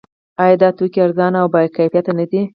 آیا دا توکي ارزانه او باکیفیته نه دي؟